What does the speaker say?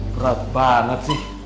berat banget sih